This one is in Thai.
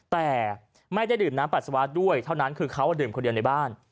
แต่ไม่ได้ดื่มน้ำปัสสาวะด้วยเท่านั้นคือเขาดื่มคนเดียวในบ้าน